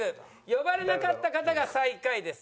呼ばれなかった方が最下位です。